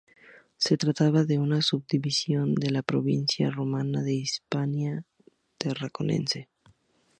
Se trataba de una subdivisión de la provincia romana de Hispania Tarraconense.